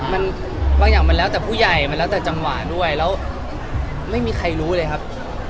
มันบางอย่างมันแล้วแต่ผู้ใหญ่มันแล้วแต่จังหวะด้วยแล้วไม่มีใครรู้เลยครับ